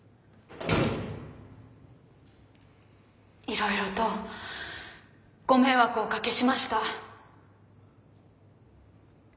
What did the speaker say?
いろいろとご迷惑をおかけしました。